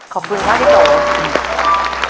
ขอบคุณครับดิบลง